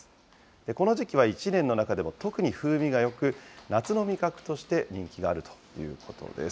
この時期は１年の中でも特に風味がよく、夏の味覚として人気があるということです。